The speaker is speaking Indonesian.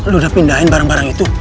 lu udah pindahin barang barang itu